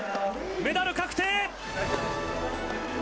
メダル確定。